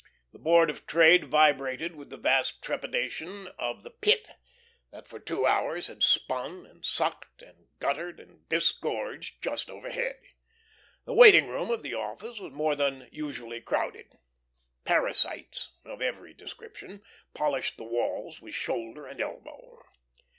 The Board of Trade vibrated with the vast trepidation of the Pit, that for two hours had spun and sucked, and guttered and disgorged just overhead. The waiting room of the office was more than usually crowded. Parasites of every description polished the walls with shoulder and elbow.